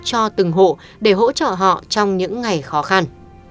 cho từng hộ để hỗ trợ họ trong những ngày khó khăn